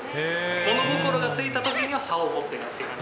物心がついたときにはさおを持っていたという感じ。